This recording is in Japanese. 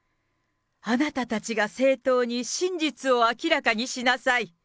あなたたちが正当に真実を明らかにしなさい。